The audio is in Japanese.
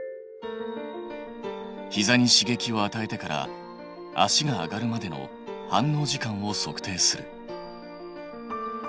ひざに刺激をあたえてから足が上がるまでの反応時間を測定する。